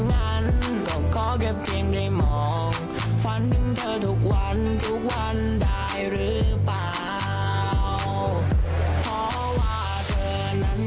ขนาดไดโนเสายังต้องออกมาขายของเลย